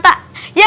ya gak temen temen